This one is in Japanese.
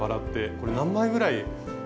これ何枚ぐらい作って。